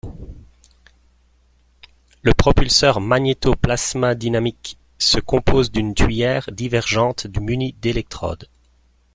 Le propulseur magnétoplasmadynamique se compose d’une tuyère divergente munie d'électrodes.